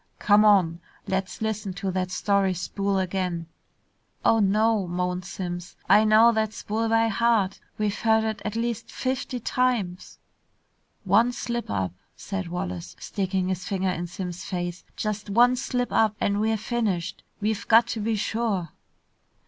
"Come on. Let's listen to that story spool again." "Oh, no," moaned Simms. "I know that spool by heart! We've heard it at least fifty times!" "One slip up," said Wallace, sticking his finger in Simms' face, "just one slip up and we're finished! We've got to be sure!"